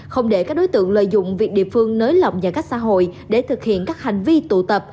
không để các đối tượng lợi dụng việc địa phương nới lỏng giãn cách xã hội để thực hiện các hành vi tụ tập